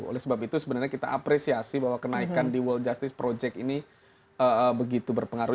oleh sebab itu sebenarnya kita apresiasi bahwa kenaikan di world justice project ini begitu berpengaruh